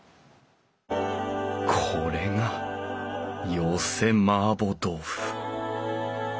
これが寄せ麻婆豆腐！